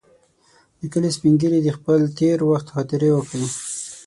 د کلي سپین ږیري د خپل تېر وخت خاطرې وکړې.